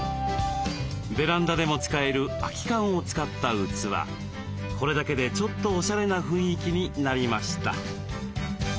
ベランダでも使える空き缶を使った器これだけでちょっとおしゃれな雰囲気になりました。